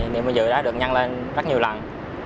niệm vinh dự đã được nhăn lên rất nhiều lần